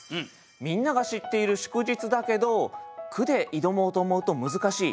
みんなが知っている祝日だけど句で挑もうと思うと難しい。